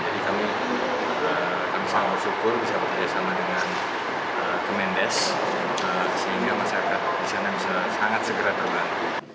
jadi kami sangat bersyukur bisa bekerjasama dengan kementerian desa sehingga masyarakat di sana bisa sangat segera terbang